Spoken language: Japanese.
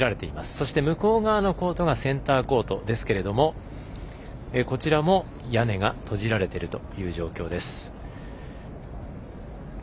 そして向こう側のコートがセンターコートですけれどもこちらも、屋根が閉じられているという状況です。